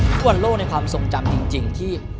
ฟุตบอลโลกในความทรงจำจริงที่